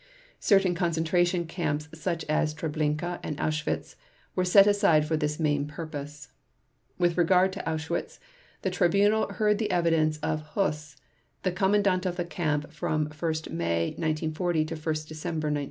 Certain concentration camps such as Treblinka and Auschwitz were set aside for this main purpose. With regard to Auschwitz, the Tribunal heard the evidence of Höss, the commandant of the camp from 1 May 1940 to 1 December 1943.